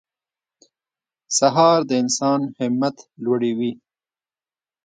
سهار د انسان همت لوړوي.